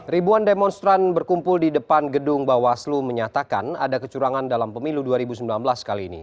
ribuan demonstran berkumpul di depan gedung bawaslu menyatakan ada kecurangan dalam pemilu dua ribu sembilan belas kali ini